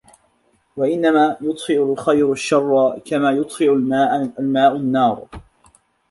وَإِنَّمَا يُطْفِئُ الْخَيْرُ الشَّرَّ كَمَا يُطْفِئُ الْمَاءُ النَّارَ